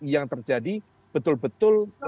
yang terjadi betul betul